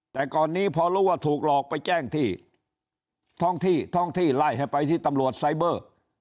แต่ก่อนนี้พอรู้ว่าถูกหลอกไปแจ้งที่ท้องที่ท้องที่ไล่ให้ไปที่ตำรวจไซเบอร์